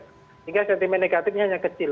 sehingga sentimen negatifnya hanya kecil